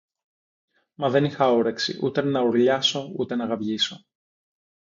Μα δεν είχα όρεξη, ούτε να ουρλιάσω ούτε να γαβγίσω